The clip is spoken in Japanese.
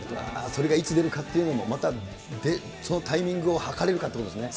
それがいつ出るかっていうのも、そのタイミングも計れるかというところですね。